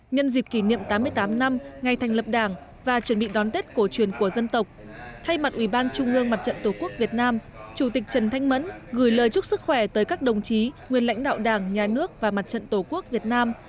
nhân dịp kỷ niệm tám mươi tám năm ngày thành lập đảng và chuẩn bị đón tết cổ truyền của dân tộc thay mặt ủy ban trung ương mặt trận tổ quốc việt nam chủ tịch trần thanh mẫn gửi lời chúc sức khỏe tới các đồng chí nguyên lãnh đạo đảng nhà nước và mặt trận tổ quốc việt nam